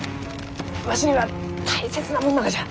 わしには大切なもんながじゃ。